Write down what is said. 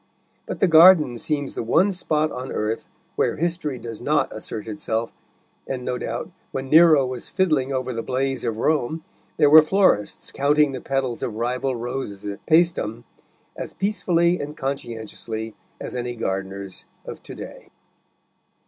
But the garden seems the one spot on earth where history does not assert itself, and, no doubt, when Nero was fiddling over the blaze of Rome, there were florists counting the petals of rival roses at Paestum as peacefully and conscientiously as any gardeners of to day.